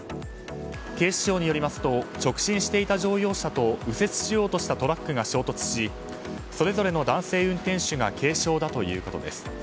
警視庁によりますと直進していた乗用車と右折しようとしたトラックが衝突しそれぞれの男性運転手が軽傷だということです。